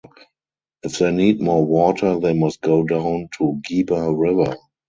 If they need more water they must go down to Giba River.